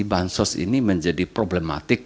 bansos ini menjadi problematik